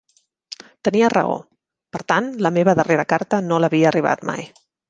Tenia raó, per tant, la meva darrera carta no l'havia arribat mai.